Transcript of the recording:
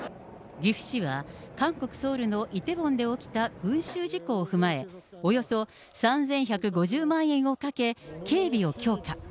岐阜市は韓国・ソウルのイテウォンで起きた群衆事故を踏まえ、およそ３１５０万円をかけ、警備を強化。